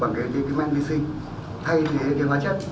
bằng cái mạch vi sinh thay thế cái hóa chất